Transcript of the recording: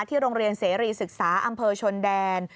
โรงเรียนเสรีศึกษาอำเภอชนแดน